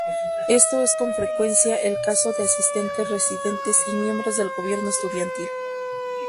Esto es con frecuencia el caso de asistentes residentes y miembros del gobierno estudiantil.